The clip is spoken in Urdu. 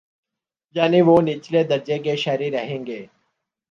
یعنی وہ نچلے درجے کے شہری رہیں گے۔